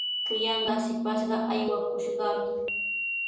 Kuyanqaa shipashqa aywakushqami.